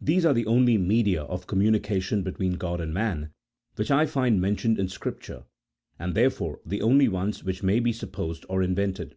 These are the only media of communication between God and man which I find mentioned in Scripture, and therefore the only ones which may be supposed or invented.